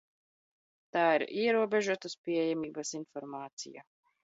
Tā ir ierobežotas pieejamības informācija.